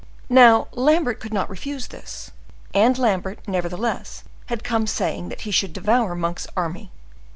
Now, Lambert could not refuse this: and Lambert, nevertheless, had come saying that he should devour Monk's army.